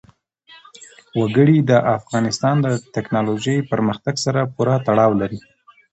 وګړي د افغانستان د تکنالوژۍ پرمختګ سره پوره تړاو لري.